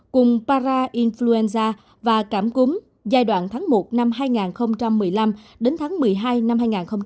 cùng para influenza và cảm cúm giai đoạn tháng một năm hai nghìn một mươi năm đến tháng một mươi hai năm hai nghìn hai mươi